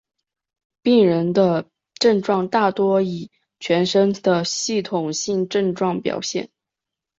病人的症状大多以全身的系统性症状表现。